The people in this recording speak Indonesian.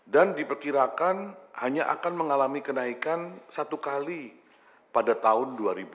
dan diperkirakan hanya akan mengalami kenaikan satu kali pada tahun dua ribu enam belas